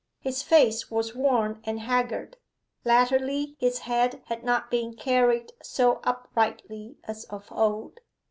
His face was worn and haggard; latterly his head had not been carried so uprightly as of old.